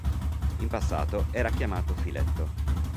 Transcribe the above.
In passato era chiamato Filetto.